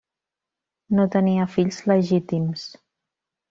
No tenia fills legítims.